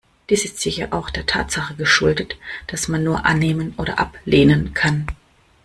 Dies ist sicherlich auch der Tatsache geschuldet, dass man nur annehmen oder ablehnen kann.